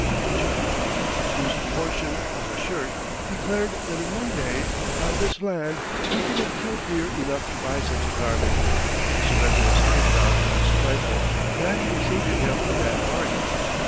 One Cherokee, whose portion was a shirt, declared that in one day, upon this land, he could have killed deer enough to buy such a garment; to surrender his hunting ground for this trifle naturally seemed to him a bad bargain.